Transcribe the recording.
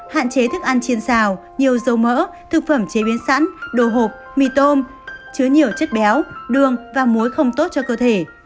hạn chế thức ăn trên xào nhiều dấu mỡ thực phẩm chế biến sẵn đồ hộp mì tôm chứa nhiều chất béo đường và muối không tốt cho cơ thể